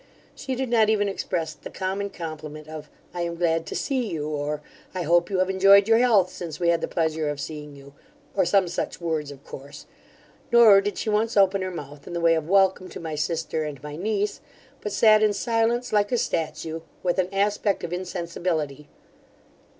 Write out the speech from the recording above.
She did not even express the common compliment of, I am glad to see you; or, I hope you have enjoyed your health since we had the pleasure of seeing you; or some such words of course: nor did she once open her mouth in the way of welcome to my sister and my niece: but sat in silence like a statue, with an aspect of insensibility.